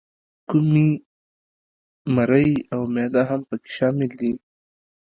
کومي، مرۍ او معده هم پکې شامل دي.